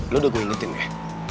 lu udah gua ingetin gak